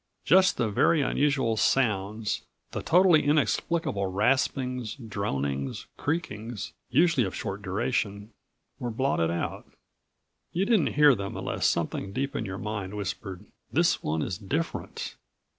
Just the very unusual sounds, the totally inexplicable raspings, dronings, creakings usually of short duration were blotted out. You didn't hear them unless something deep in your mind whispered: "This one is different.